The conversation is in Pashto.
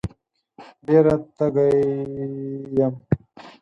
ډېره تږې یم